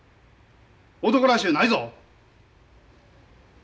男らしゅうないぞ。